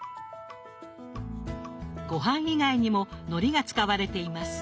ごはん以外にものりが使われています。